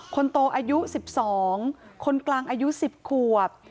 คนโตอายุ๑๒คนกลางอายุ๑๐ขวบ